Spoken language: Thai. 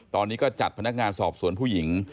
ตอนนี้ก็จัดพนักงานสอบสวนผู้หญิง